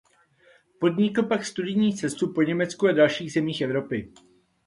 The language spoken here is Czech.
Podnikl pak studijní cestu po Německu a dalších zemích Evropy.